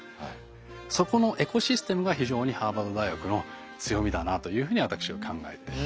そこのエコシステムが非常にハーバード大学の強みだなというふうに私は考えています。